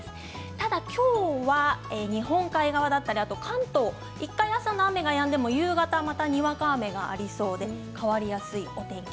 ただ今日は日本海側だったり関東１回朝の雨がやんでもまた夕方に、にわか雨がありそうで変わりやすいお天気。